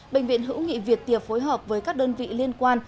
bệnh viện hữu nghị việt tiệp phối hợp với các đơn vị liên quan